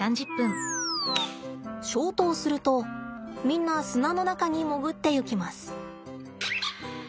消灯するとみんな砂の中に潜っていきます。